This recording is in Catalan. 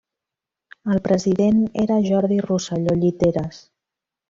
El president era Jordi Rosselló Lliteres.